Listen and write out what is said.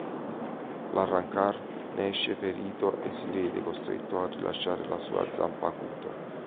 L'Arrancar ne esce ferito e si vede costretto a rilasciare la sua Zanpakuto.